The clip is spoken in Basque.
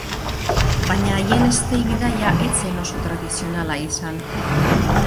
Baina haien eztei-bidaia ez zen oso tradizionala izan.